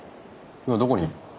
今どこにいる？